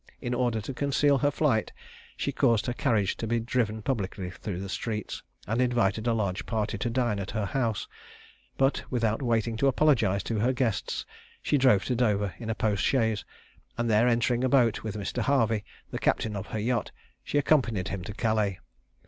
In order to conceal her flight, she caused her carriage to be driven publicly through the streets, and invited a large party to dine at her house; but, without waiting to apologise to her guests, she drove to Dover in a post chaise, and there entering a boat with Mr. Harvey, the captain of her yacht, she accompanied him to Calais.